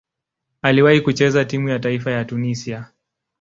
Aliwahi kucheza timu ya taifa ya Tunisia.